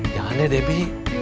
jangan ya debi